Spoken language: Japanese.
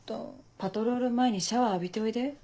パトロール前にシャワー浴びておいで。